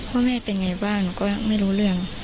ว่าแม่เป็นไงบ้างหนูก็ไม่รู้เรื่อง